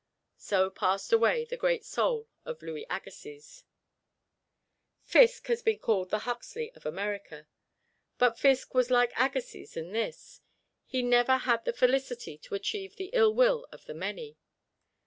So passed away the great soul of Louis Agassiz. Fiske has been called the Huxley of America; but Fiske was like Agassiz in this, he never had the felicity to achieve the ill will of the many.